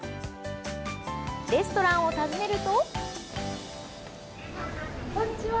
レストランを訪ねると。